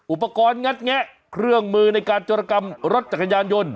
อุปกรณ์งัดแงะเครื่องมือในการจรกรรมรถจักรยานยนต์